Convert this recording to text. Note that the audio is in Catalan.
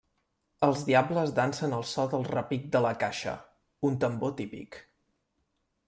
Els Diables dansen al so del repic de la caixa, un tambor típic.